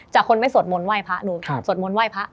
คนไม่สวดมนต์ไห้พระหนูสวดมนต์ไห้พระ